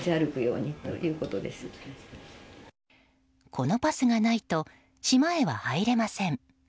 このパスがないと島へは入れません。